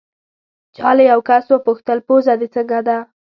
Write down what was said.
چا له یو کس وپوښتل: پوزه دې څنګه ده؟